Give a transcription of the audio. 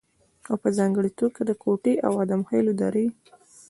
او په ځانګړې توګه د کوټې او ادم خېلو درې